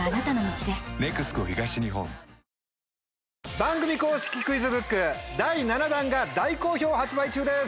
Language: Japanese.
番組公式クイズブック第７弾が大好評発売中です。